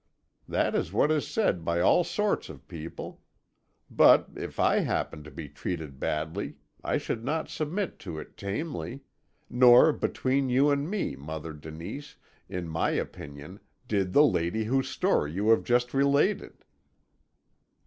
That is what is said by all sorts of people. But if I happened to be treated badly I should not submit to it tamely nor between you and me, Mother Denise, in my opinion, did the lady whose story you have just related."